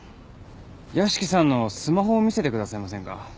屋敷さんのスマホを見せてくださいませんか？